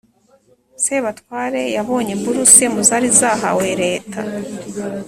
sebatware yabonye buruse muzari zahawe leta,